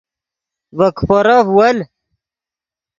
ڤے کیپورف ول